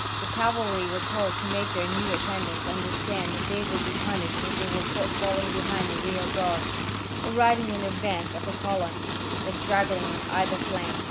The cavalry were told to make their new attendants understand that they would be punished if they were caught falling behind the rear guard, or riding in advance of the column, or straggling on either flank.